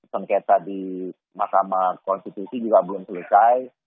sengketa di mahkamah konstitusi juga belum selesai